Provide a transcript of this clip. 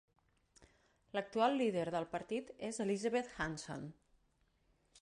L'actual líder del partit és Elizabeth Hanson.